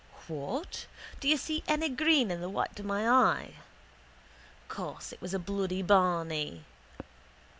What? Do you see any green in the white of my eye? Course it was a bloody barney.